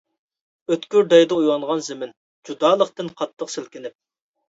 ئۆتكۈر دەيدۇ ئويغانغان زېمىن، جۇدالىقتىن قاتتىق سىلكىنىپ.